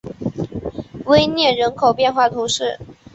威涅人口变化图示